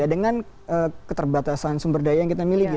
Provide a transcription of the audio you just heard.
dengan keterbatasan sumber daya yang kita miliki